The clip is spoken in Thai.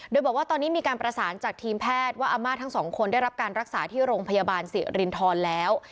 โดยบอกว่าตอนนี้มีการประสานจากทีมแพทย์ว่าอาม่าทั้งสองคนได้รับการรักษาที่โรงพยาบาลสิรินทรแล้ว